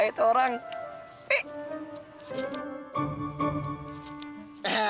oh ini deh yang ditutupin ya